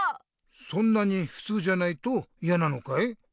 そんなにふつうじゃないといやなのかい？